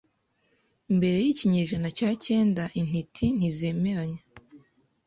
mbere yikinyejana cya cyenda intiti ntizemeranya